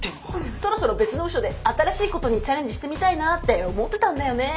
そろそろ別の部署で新しいことにチャレンジしてみたいなって思ってたんだよね。